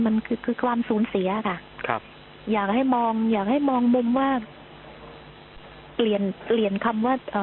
มันคือความสูญเสียค่ะ